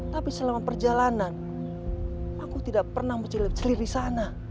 tapi selama perjalanan aku tidak pernah menjelep selirisana